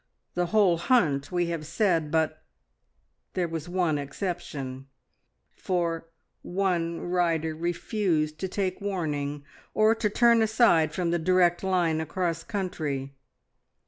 The whole hunt, we have said, but there was one exception, for one rider refused to take warning or to turn aside from the direct line across country.